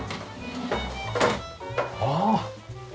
ああ！